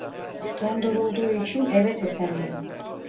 Dondurulduğu için evet efendim